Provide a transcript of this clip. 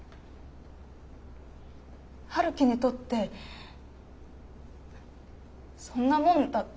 陽樹にとってそんなもんだった？